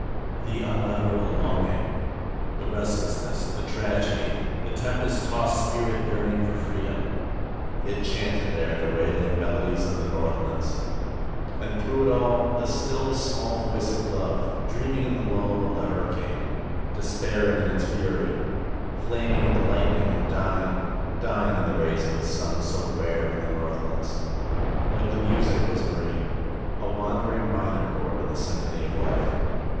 The unutterable longing, the restlessness, the tragedy, the tempest tossed spirit yearn ing for freedom; it chanted there in the wailing melo dies of the Northlands. And through it all the still, small voice of love, dreaming in the lull of the hurricane, despairing in its fury, flaming in the lightning and dying, dying in the rays of the sun so rare in the north lands. Like the music was Marie, a wandering minor chord in the symphony of life.